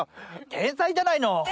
天才じゃないの！